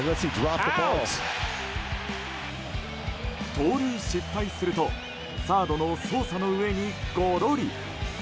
盗塁失敗するとサードのソーサの上にごろり。